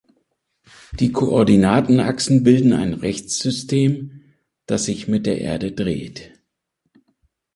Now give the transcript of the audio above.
Die Koordinatenachsen bilden ein Rechtssystem, das sich mit der Erde dreht.